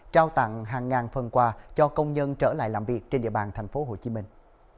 trao tặng hàng ngàn phần quà cho công nhân trở lại làm việc trên địa bàn thành phố hồ chí minh